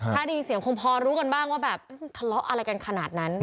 ถ้าได้ยินเสียงคงพอรู้กันบ้างว่าแบบทะเลาะอะไรกันขนาดนั้น